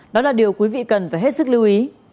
đó là điều quý vị cần phải hết sức lưu ý